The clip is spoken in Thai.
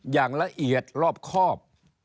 อย่างละเอียดรอบครอบ